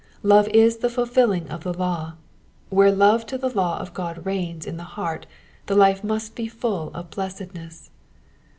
Love is the fulfilling of the law ; where love to the law of God reigns in the heart the life must be full of blessedness.